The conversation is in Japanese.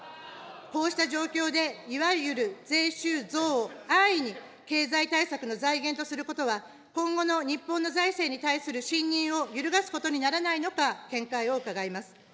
こうした状況でいわゆる税収増を安易に経済対策の財源とすることは、今後の日本の財政に対する信認を揺るがすことにならないのか、見解を伺います。